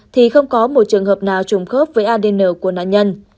thì không có một trường hợp nào trùng khớp với adn của nạn nhân